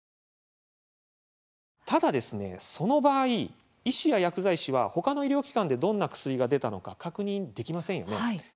ただ、その場合医師や薬剤師は、他の医療機関でどんな薬が出たのか確認できませんよね。